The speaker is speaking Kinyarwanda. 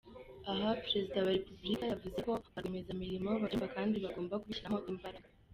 Aha Perezida wa Repubulika yavuze ko barwiyemezamirimo babyumva kandi bagomba kubishyiramo imbaraga.